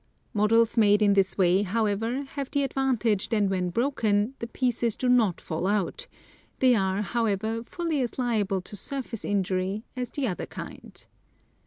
Models made in this way, however, have the advantage that when broken the pieces do not fall out, they are, however, fully as liable to surface injury as the other kind.